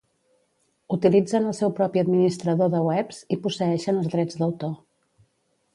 Utilitzen el seu propi administrador de webs i posseeixen els drets d'autor.